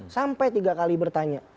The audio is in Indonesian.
sampai tiga kali bertanya